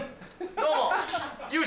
どうも。